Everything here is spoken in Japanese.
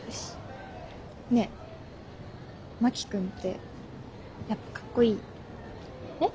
ねえ真木君ってやっぱかっこいい？え。